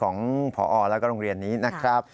ของพอแล้วก็โรงเรียนนี้นะครับ